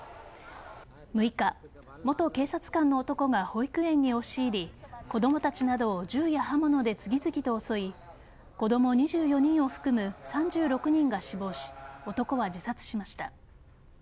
６日、元警察官の男が保育園に押し入り子供たちなどを銃や刃物で次々と襲い子供２４人を含む３６人が死亡し男は自殺しました。